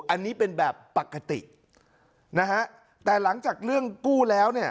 อันนี้เป็นแบบปกตินะฮะแต่หลังจากเรื่องกู้แล้วเนี่ย